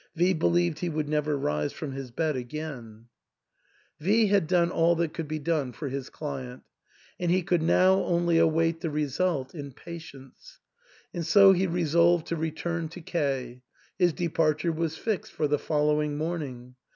V believed he would never rise from his bed again. 3o8 THE ENTAIL. V had done all that could be done for his client ; and he could now only await the result in patience ; and so he resolved to return to K . His departure was fixed for the following morning.